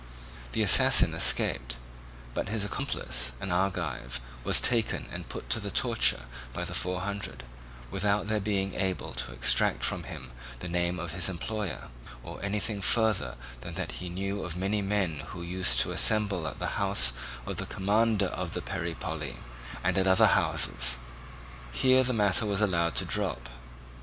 The assassin escaped; but his accomplice, an Argive, was taken and put to the torture by the Four Hundred, without their being able to extract from him the name of his employer, or anything further than that he knew of many men who used to assemble at the house of the commander of the Peripoli and at other houses. Here the matter was allowed to drop.